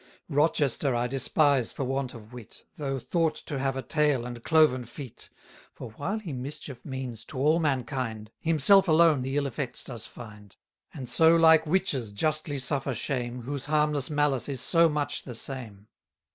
Rochester I despise for want of wit, Though thought to have a tail and cloven feet; For while he mischief means to all mankind, 230 Himself alone the ill effects does find: And so like witches justly suffer shame, Whose harmless malice is so much the same.